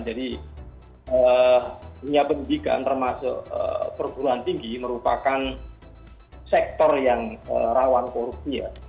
jadi dunia pendidikan termasuk perguruan tinggi merupakan sektor yang rawan korupsi ya